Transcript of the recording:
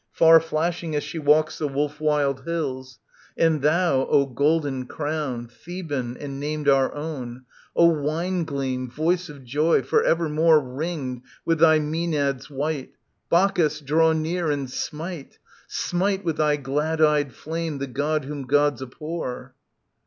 Far flashing as she walks the wolf wild hills ? <And thou, O Golden crown, Theban and named our own, O Wine gleam, Voice of Joy, for ever more Ringed with thy Maenads white, Bacchus, draw near and smite. Smite with thy glad eyed flame the God whom Gods abhor.